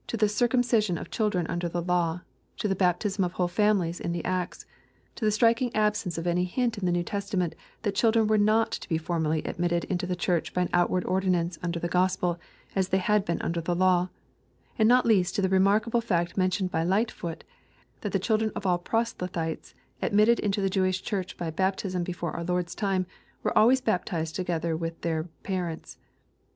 the circumcision of children under tihe laWj — to the baptism of whole families in the Acts, — to the striking absence of any hint in the New Testament, that children were not to be formally admit ted inta the church by an outward ordinance under the Gospel, as they had been under the law, — ^and not least to the remarkable fact meiitioned by Lightfoot, that the children of all proselytes ad mitted into the Jewish Ghurch by Baptism before our Lord's time, were always baptized together with their parents.